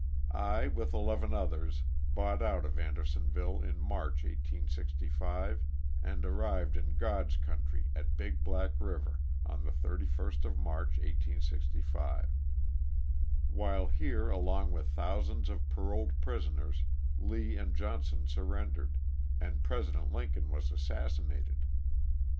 293 eleven others, bought out of Andersonville in March, 1865, and arrived in '* God's country," at Big Black river, on the 31st of March, 1865. While here along with thousands of paroled prisoners, Lee and Johnson surrendered, and President Lincoln was assassinated.